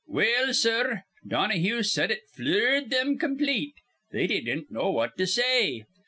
"Well, sir, Donahue said it flured thim complete. They didn't know what to say.